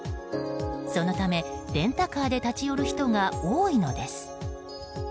そのためレンタカーで立ち寄る人が多いのです。